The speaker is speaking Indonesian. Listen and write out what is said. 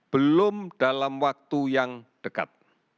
belum dalam waktu yang dekat